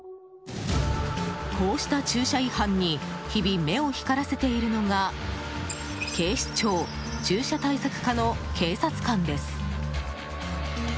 こうした駐車違反に日々、目を光らせているのが警視庁駐車対策課の警察官です。